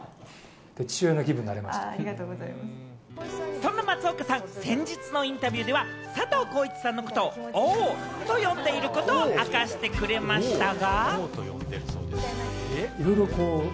そんな松岡さん、先日のインタビューでは佐藤浩市さんのことを王と呼んでいることを明かしてくれましたが。